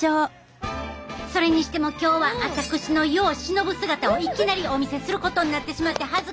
それにしても今日はあたくしの世を忍ぶ姿をいきなりお見せすることになってしまって恥ずかしかったわ。